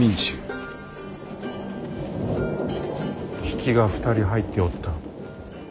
比企が２人入っておった。